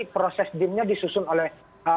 proses dinnya disusun oleh